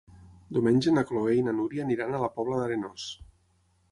Diumenge na Chloé i na Núria aniran a la Pobla d'Arenós.